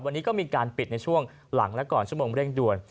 วันนี้ก็มีการปิดในช่วงหลังและก่อนชั่วโมงเร่งด่วน